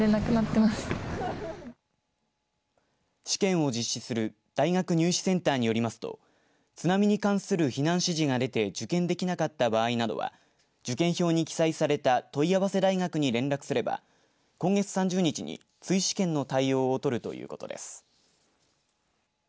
試験を実施する大学入試センターによりますと津波に関する避難指示が出て受験できなかった場合などは受験票に記載された問い合わせ大学に連絡すれば今月３０日に追試験の対応をとるということです。